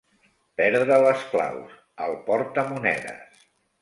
Perdre les claus, el portamonedes.